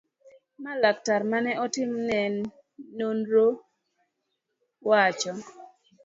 ma laktar mane otimo ne nonro wacho